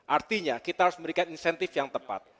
artinya kita harus memberikan insentif yang tepat